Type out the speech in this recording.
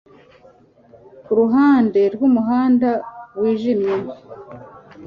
Kuruhande rwumuhanda wijimye